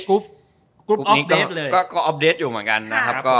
กรุ๊ปเลยก็ออฟเดสอยู่เหมือนกันนะครับ